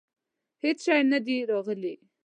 هیڅ شی نه دي راغلي.